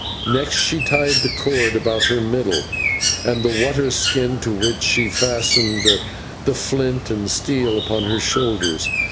Next she tied the cord about her middle, and the water skin, to which she fastened the flint and steel, upon her shoulders.